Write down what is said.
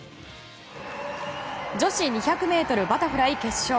女子２００ｍバタフライ決勝。